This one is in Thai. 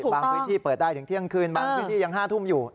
พื้นที่เปิดได้ถึงเที่ยงคืนบางพื้นที่ยัง๕ทุ่มอยู่